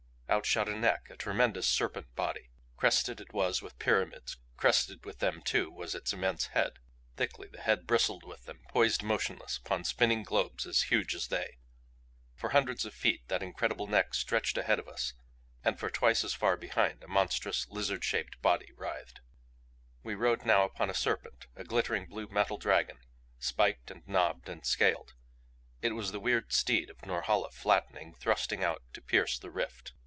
Out shot a neck, a tremendous serpent body. Crested it was with pyramids; crested with them, too, was its immense head. Thickly the head bristled with them, poised motionless upon spinning globes as huge as they. For hundreds of feet that incredible neck stretched ahead of us and for twice as far behind a monstrous, lizard shaped body writhed. We rode now upon a serpent, a glittering blue metal dragon, spiked and knobbed and scaled. It was the weird steed of Norhala flattening, thrusting out to pierce the rift.